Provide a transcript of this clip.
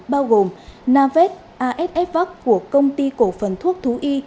bao gồm navet asf vac của công ty cổ phần thuốc thú y